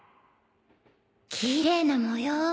きれいな模様。